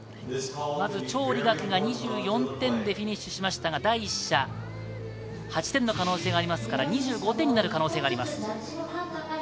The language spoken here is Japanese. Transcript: まずチョウ・リガクが２４点でフィニッシュしましたが、第１射、８点の可能性がありますから２５点になる可能性があります。